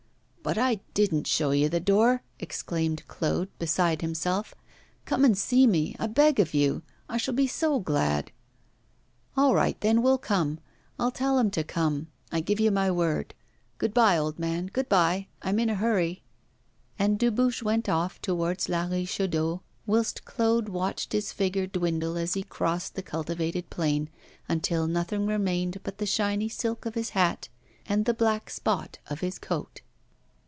'But I didn't show you the door,' exclaimed Claude, beside himself. 'Come and see me, I beg of you. I shall be so glad!' 'All right, then, we'll come. I'll tell him to come, I give you my word good bye, old man, good bye; I'm in a hurry.' And Dubuche went off towards La Richaudière, whilst Claude watched his figure dwindle as he crossed the cultivated plain, until nothing remained but the shiny silk of his hat and the black spot of his coat.